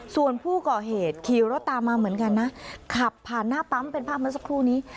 ส่วนผู้ก่อเหตุขี่รถตามมาเหมือนกันนะขับผ่านหน้าปั๊มเป็นภาพเมื่อสักครู่นี้